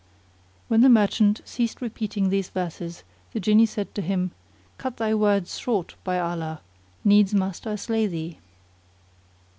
When the merchant ceased repeating his verses the Jinni said to him, "Cut thy words short, by Allah! needs must I slay thee."